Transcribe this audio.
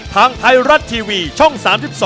ทางไทยรัฐทีวีช่อง๓๒